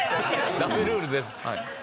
ダメルールです。